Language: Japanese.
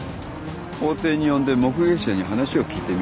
法廷に呼んで目撃者に話を聞いてみよう。